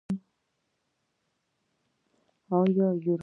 آیا د یورانیم کانونه لرو؟